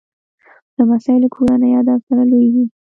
لمسی له کورني ادب سره لویېږي